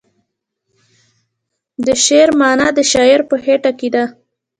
د شعر معنی د شاعر په خیټه کې ده.